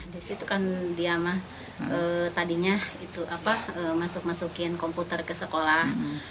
di situ kan dia mah tadinya itu apa masuk masukin komputer ke sekolah